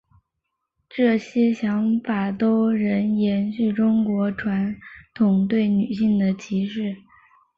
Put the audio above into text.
这些想法都仍延续中国传统对女性的歧视。